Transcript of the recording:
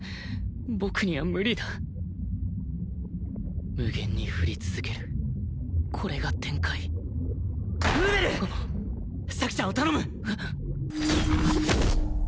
僕には無理だ無限に降り続けるこれが天界ルベル咲ちゃんを頼む！